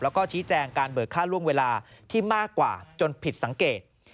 แล้วก็ชี้แจงการเบิกค่าล่วงเวลาที่มากกว่าจนผิดสังเกต